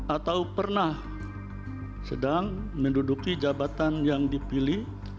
atau pernah sedang menduduki jabatan yang dipilih